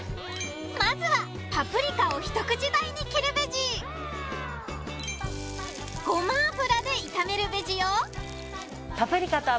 まずはパプリカをひと口大に切るベジゴマ油で炒めるベジよ